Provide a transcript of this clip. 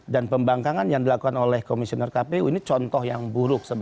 dan pembangkangan yang dilakukan oleh komisioner kpu ini contoh yang buruk sebetulnya